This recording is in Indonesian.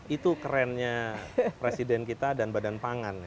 itu kerennya presiden kita dan badan pangan